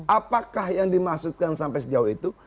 apakah yang dimaksudkan sampai sejauh itu